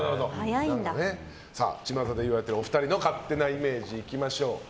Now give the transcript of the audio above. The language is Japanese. ちまたで言われているお二人の勝手なイメージいきましょう。